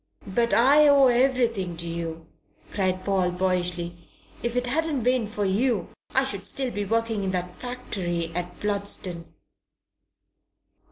"But I owe everything to you!" cried Paul, boyishly. "If it hadn't been for you, I should still be working in that factory at Bludston."